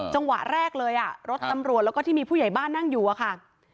จังหวะแรกเลยรถตำรวจแล้วก็ที่มีผู้ใหญ่บ้านนั่งอยู่อะค่ะ